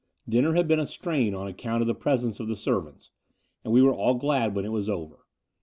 Dinner had been a strain on account of the presence of the servants; and we were all glad when it was over.